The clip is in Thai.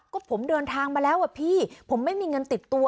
ก็ผมเดินทางมาแล้วอ่ะพี่ผมไม่มีเงินติดตัว